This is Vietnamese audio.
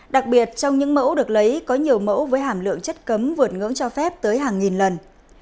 đặc biệt trong những mẫu được lấy có nhiều mẫu với hàm lượng chất cấm vượt ngưỡng cho phép tới hàng nghìn lần